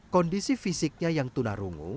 kondisi fisiknya yang tunarungu